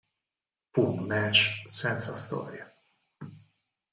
Fu un match senza storia.